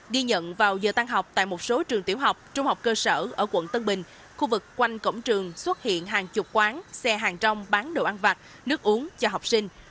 ghi nhận vào giờ tăng học tại một số trường tiểu học trung học cơ sở ở quận tân bình khu vực quanh cổng trường xuất hiện hàng chục quán xe hàng trong bán đồ ăn vặt nước uống cho học sinh